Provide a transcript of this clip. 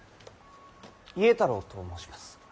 家太郎と申します。